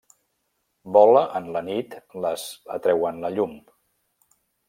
Vola en la nit les atreuen la llum.